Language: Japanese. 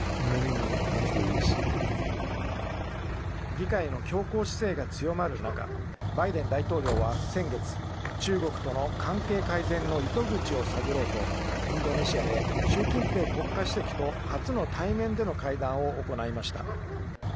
議会の強硬姿勢が強まる中バイデン大統領は、先月中国との関係改善の糸口を探ろうとインドネシアで習近平国家主席と初の対面での会談を行いました。